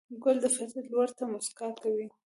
ګل د فطرت لور ته موسکا کوي.